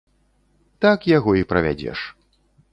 Так яго і правядзеш.